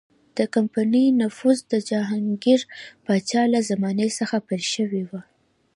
د کمپنۍ نفوذ د جهانګیر پاچا له زمانې څخه پیل شوی و.